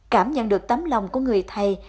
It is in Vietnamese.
cảm nhận được tấm lòng của người thầy